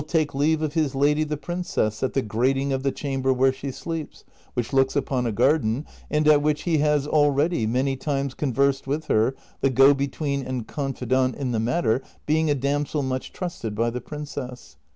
take leave of liis lady the princess at the grating of the cham ber where she sleeps, which looks upon a garden, and at which he has already many times conversed with her, the go between and confidante in the matter being a damsel much trusted by the princess.